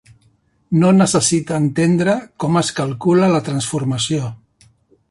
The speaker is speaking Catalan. No necessita entendre com es calcula la transformació.